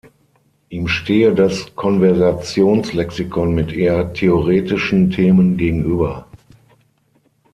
Ihm stehe das Konversationslexikon mit eher theoretischen Themen gegenüber.